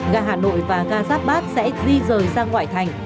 gà hà nội và gà giáp bác sẽ di rời sang ngoại thành